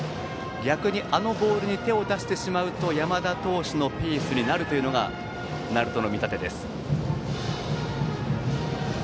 逆にあのボールに手を出してしまうと山田投手のペースになるというのが鳴門の見立てです。